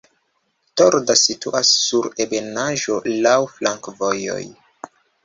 Torda situas sur ebenaĵo, laŭ flankovojoj.